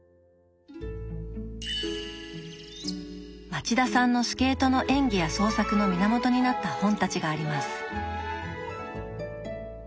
町田さんのスケートの演技や創作の源になった本たちがあります。